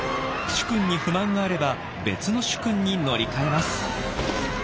主君に不満があれば別の主君に乗り換えます。